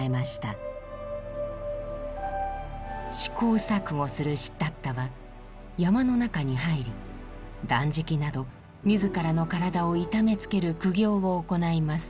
試行錯誤するシッダッタは山の中に入り断食など自らの体を痛めつける苦行を行います。